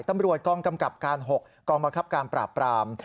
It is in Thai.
ตำรวจกองกำกับการคราม๖ปราบพราหมศ